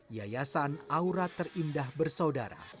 yayasan aura terindah bersaudara